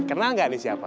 kenal gak nih siapa